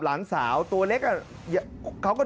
หลานสาวตัวเล็กอะเขาก็